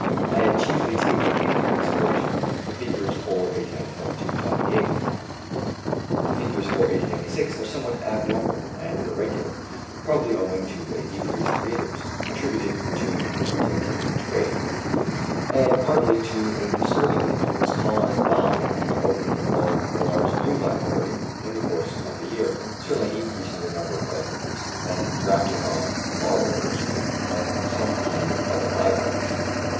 (I have chiefly taken into consideration the figures for 1897 98; the figures for 1896 are somewhat abnormal and irregular, probably owing to a decrease in readers, attributed to increased activity in trade, and partly to a disturbing influence caused by the opening of a large new library in the course of the year, suddenly increasing the number of readers, and drafting off borrowers from some of the other libraries.)